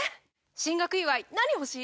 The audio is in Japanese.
進学祝い何欲しい？